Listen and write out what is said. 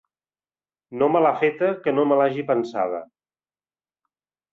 No me l'ha feta que no me l'hagi pensada.